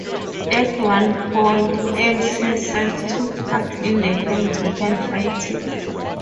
At one point Ames himself took part in the hand-to-hand fighting.